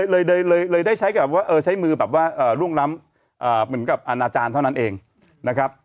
เลยได้ใช้กับว่าใช้มือแบบว่าร่วงล้ำเหมือนกับอาณาจารย์เท่านั้นเองนะครับ